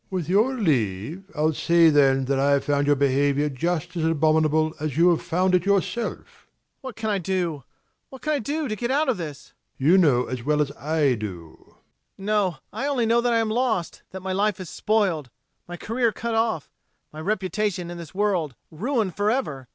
ABBÉ. With your leave, I'll say then that I have found your behaviour just as abominable as you have found it yourself. MAURICE. What can I do, what can I do, to get out of this? ABBÉ. You know as well as I do. MAURICE. No, I know only that I am lost, that my life is spoiled, my career cut off, my reputation in this world ruined forever.